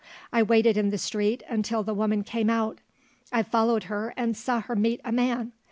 I waited in the street, until the woman came out. I followed her, and saw her meet a man.